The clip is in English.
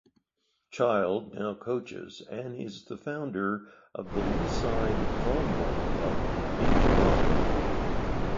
Child now coaches and is the founder of the Leaside Volleyball Club in Toronto.